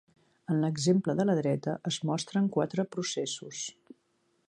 En l'exemple de la dreta, es mostren quatre processos.